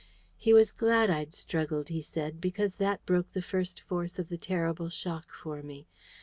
He was glad I'd struggled, he said, because that broke the first force of the terrible shock for me.